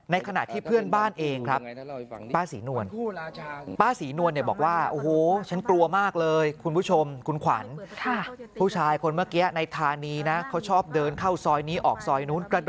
ขณะที่เพื่อนบ้านเองครับป้าศรีนวล